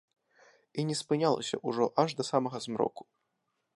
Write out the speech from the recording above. І не спынялася ўжо аж да самага змроку.